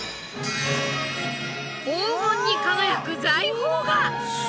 黄金に輝く財宝が！